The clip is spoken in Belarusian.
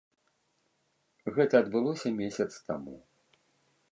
Гэта адбылося месяц таму.